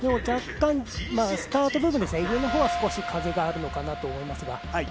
若干、スタート部分上のほうは風があるのかなと思いますが。